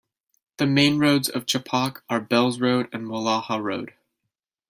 The main roads of Chepauk are Bells Road and Walajah Road.